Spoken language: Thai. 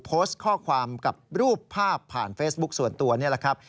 โพสต์ข้อความกับรูปภาพผ่านเฟซบุ๊คส่วนตัวนี่แหละครับ